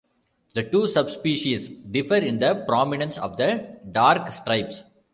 The two subspecies differ in the prominence of the dark stripes.